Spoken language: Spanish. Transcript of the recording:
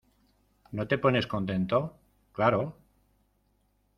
¿ no te pones contento? claro...